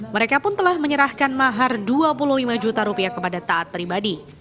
mereka pun telah menyerahkan mahar dua puluh lima juta rupiah kepada taat pribadi